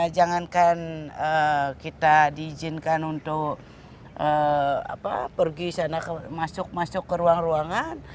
jangankan kita diizinkan untuk pergi sana masuk masuk ke ruang ruangan